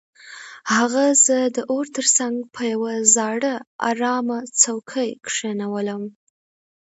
هغه زه د اور تر څنګ په یو زاړه ارامه څوکۍ کښینولم